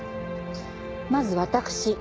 まず「私」